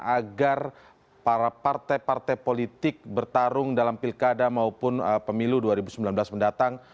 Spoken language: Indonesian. agar para partai partai politik bertarung dalam pilkada maupun pemilu dua ribu sembilan belas mendatang